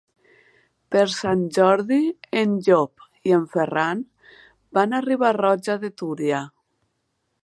Per Sant Jordi en Llop i en Ferran van a Riba-roja de Túria.